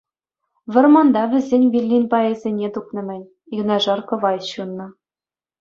Вӑрманта вӗсен виллин пайӗсене тупнӑ-мӗн, юнашар кӑвайт ҫуннӑ.